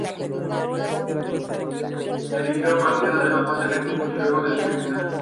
Dirigió dos partidos de la fase de grupos y luego una semifinal.